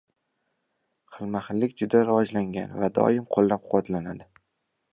xilma-xillik juda rivojlangan va doim qoʻllab-quvvatlanadi.